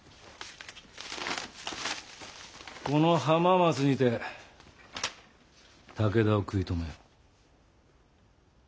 この浜松にて武田を食い止めよ。